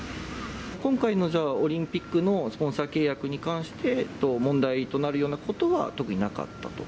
今回のオリンピックのスポンサー契約に関して、問題となるようなことは特になかったと？